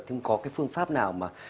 thì có cái phương pháp nào mà